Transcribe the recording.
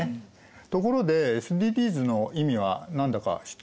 ところでＳＤＧｓの意味は何だか知っていますか？